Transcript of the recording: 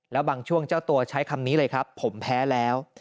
แล้วบางช่วงเจ้าตัวใช้คำนี้เลยครับผมแพ้แล้ว